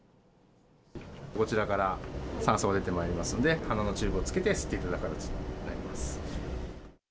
こちらから酸素が出てまいりますので、花のチューブをつけて吸っていただく形になります。